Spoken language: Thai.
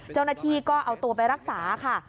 เจ้าหน้าที่ก็เอาตัวไปรักษาค่ะ